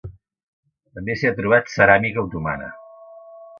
També s'hi ha trobat ceràmica otomana.